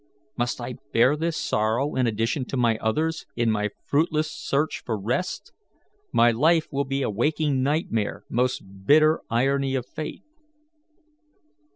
Must I bear this sorrow in addition to my others, in my fruitless search for rest? My life will be a waking nightmare, most bitter irony of fate."